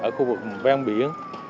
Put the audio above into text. ở khu vực ven biển